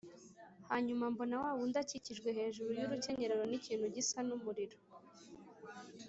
Hanyuma mbona wa wundi akikijwe hejuru y’urukenyerero n’ikintu gisa n’umuriro